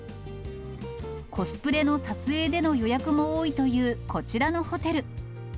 コスプレの撮影での予約も多いという、こちらのホテル。